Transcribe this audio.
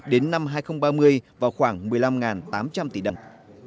đến năm hai nghìn ba mươi vào khoảng một mươi năm tám trăm linh tỷ đồng